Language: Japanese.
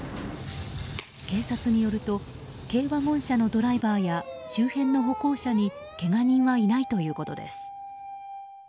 警察によると軽ワゴン車のドライバーや周辺の歩行者にけが人はいないということです。